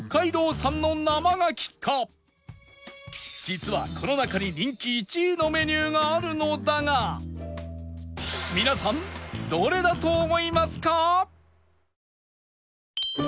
実はこの中に人気１位のメニューがあるのだが皆さんどれだと思いますか？